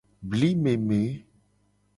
Bli meme.